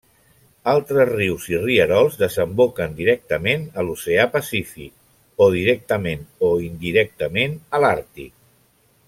Altres rius i rierols desemboquen directament a l'oceà Pacífic o directament o indirectament a l'Àrtic.